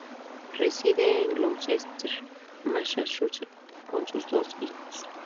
Reside en Gloucester, Massachusetts con sus dos hijos.